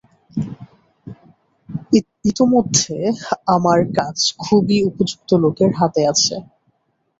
ইতোমধ্যে আমার কাজ খুবই উপযুক্ত লোকের হাতে আছে।